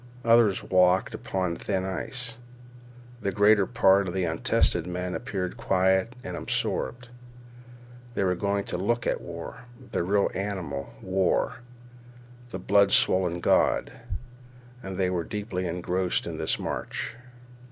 Others walked as upon thin ice. The greater part of the untested men appeared quiet and absorbed. They were going to look at war, the red animal—war, the blood swollen god. And they were deeply engrossed in this march.